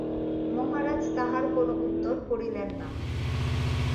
মহারাজ তাহার কোনো উত্তর করিলেন না।